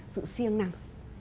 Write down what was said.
sự siêng năng